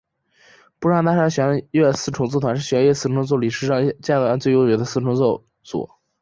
布商大厦弦乐四重奏团是弦乐四重奏历史上建团最悠久的四重奏组。